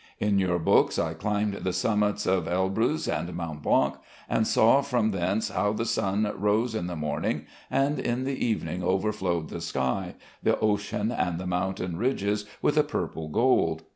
In your books I climbed the summits of Elbruz and Mont Blanc and saw from thence how the sun rose in the morning, and in the evening overflowed the sky, the ocean and the mountain ridges with a purple gold.